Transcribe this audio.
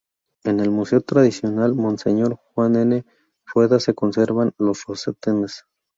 En el Museo Tradicional Monseñor Juan N. Rueda se conservan los rosetones.